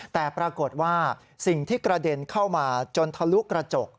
แต่ปรากฏว่าสิ่งที่กระเด็นเข้ามาจนทะลุกระจก